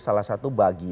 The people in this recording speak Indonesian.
salah satu bagian